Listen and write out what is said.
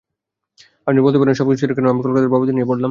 আপনি বলতে পারেন সবকিছু ছেড়ে কেন আমি কলকাতার বাবুদের নিয়ে পড়লাম।